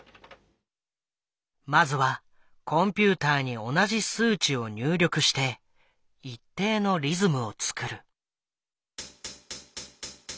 まずはコンピューターに同じ数値を入力して一定のリズムを作る。